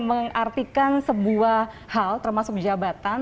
mengartikan sebuah hal termasuk jabatan